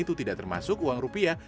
itu tidak termasuk uang rupiah